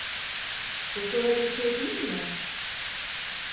Kız sana bir şeyler dimedi mi?